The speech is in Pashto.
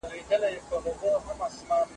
هغه جنډۍ دي په میوند کي رپوم درسره